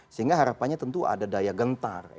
sehingga harapannya tentu ada daya gentar